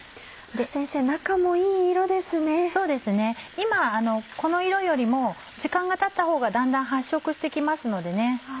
今この色よりも時間がたったほうがだんだん発色して来ますのでね。